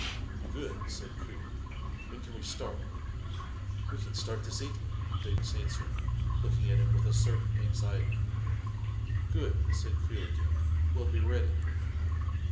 " Good," said Creel. " When can we start? " "We can start this evening," Davis answered, looking at him with a certain anxiety. " Good," said Creel again. " We'll be ready."